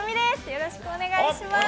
よろしくお願いします。